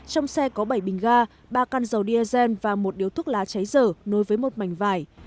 trong xe có bảy bình ga ba con dầu diesel và một điếu thuốc lá cháy dở nối với một mảnh vải